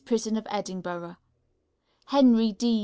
Prison of Edinburgh. HENRY D.